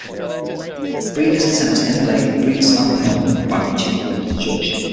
Breeders attempt to emulate the breed standard by which each breed is judged.